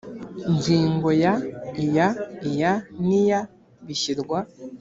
ngingo ya iya iya n iya bishyirwa